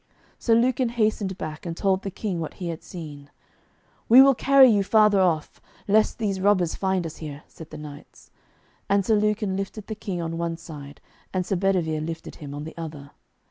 Sir Lucan hastened back, and told the King what he had seen. 'We will carry you farther off, lest the robbers find us here,' said the knights. And Sir Lucan lifted the King on one side and Sir Bedivere lifted him on the other.